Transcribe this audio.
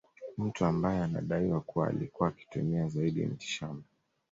Mtu ambaye anadaiwa kuwa alikuwa akitumia zaidi mitishamba